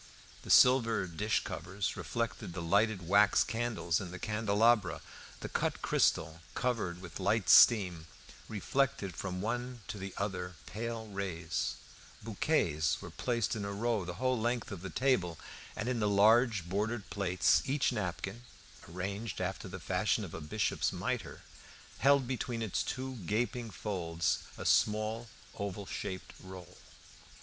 The silver dish covers reflected the lighted wax candles in the candelabra, the cut crystal covered with light steam reflected from one to the other pale rays; bouquets were placed in a row the whole length of the table; and in the large bordered plates each napkin, arranged after the fashion of a bishop's mitre, held between its two gaping folds a small oval shaped roll.